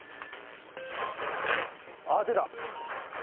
あっ出た。